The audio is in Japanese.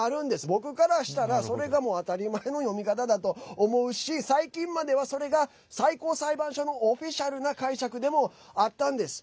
僕からしたら、それが当たり前の読み方だと思うし最近までは、それが最高裁判所のオフィシャルな解釈でもあったんです。